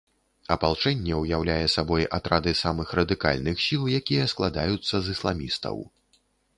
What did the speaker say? Апалчэнне ўяўляе сабой атрады самых радыкальных сіл, якія складаюцца з ісламістаў.